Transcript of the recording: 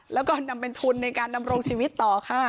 แล้วก็นำเป็นทุนในการดำรงชีวิตต่อค่ะ